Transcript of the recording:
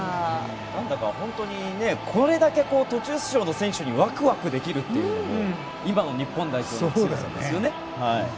なんだか本当にこれだけ途中出場の選手にワクワクできるというのも今の日本代表の強さですよね。